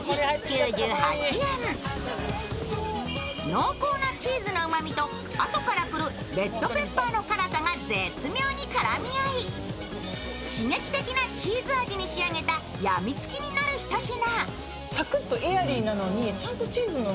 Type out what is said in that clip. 濃厚なチーズのうまみとあとからくるレッドペッパーの辛さが絶妙に絡み合い、刺激的なチーズ味に仕上げたやみつきになるひと品。